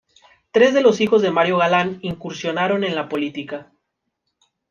Tres de los hijos de Mario Galán incursionaron en la política.